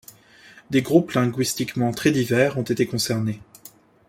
Des groupes linguistiquement très divers ont été concernés.